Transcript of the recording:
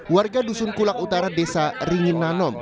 warga dusun kulak utara desa ringinanom